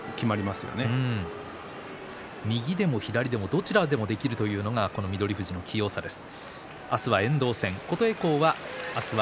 右でも左でもどちらでもできるというのが翠富士の器用さです。